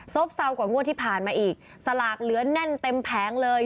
เซากว่างวดที่ผ่านมาอีกสลากเหลือแน่นเต็มแผงเลย